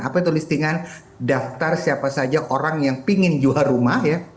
apa itu listingan daftar siapa saja orang yang pingin jual rumah ya